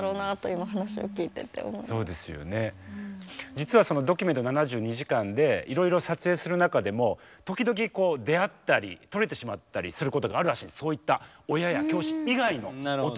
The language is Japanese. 実はその「ドキュメント７２時間」でいろいろ撮影する中でも時々出会ったり撮れてしまったりすることがあるらしいそういった親や教師以外のなるほど。